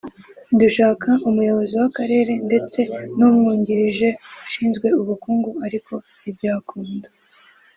dushaka umuyobozi w’akarere ndetse n’umwungirije ushinzwe ubukungu ariko ntibyakunda